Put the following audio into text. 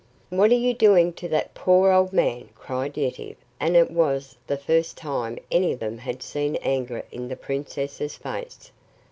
"What are you doing to that poor old man?" cried Yetive, and it was the first time any of them had seen anger in the princess's face.